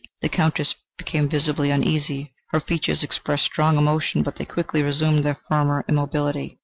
The Countess became visibly uneasy. Her features expressed strong emotion, but they quickly resumed their former immobility.